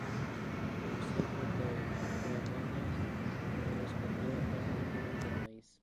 Un ciclo de ceremonias correspondió al cultivo de maíz.